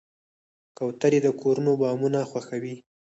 کوترې د کورونو بامونه خوښوي.